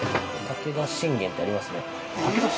「武田信玄」ってありますね。